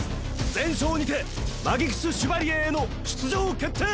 全勝にてマギクス・シュバリエへの出場決定！